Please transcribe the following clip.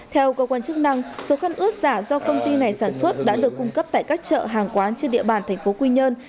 theo cơ quan chức năng số căn ướt giả do công ty này sản xuất đã được cung cấp tại các chợ hàng quán trên địa bàn thành phố quy nhơn